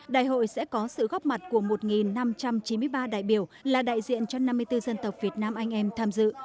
đại hội sẽ có sự góp mặt của một năm trăm chín mươi ba đại biểu là đại diện cho năm mươi bốn dân tộc việt nam anh em tham dự